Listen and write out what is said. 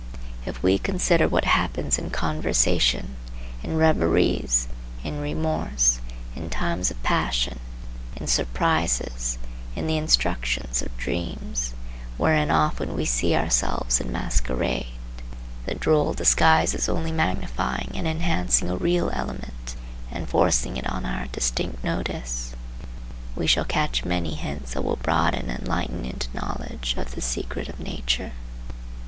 If we consider what happens in conversation, in reveries, in remorse, in times of passion, in surprises, in the instructions of dreams, wherein often we see ourselves in masquerade,—the droll disguises only magnifying and enhancing a real element and forcing it on our distinct notice,—we shall catch many hints that will broaden and lighten into knowledge of the secret of nature.